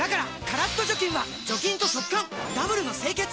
カラッと除菌は除菌と速乾ダブルの清潔！